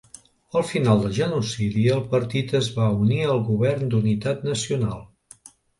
Al final del genocidi el partit es va unir al govern d'unitat nacional.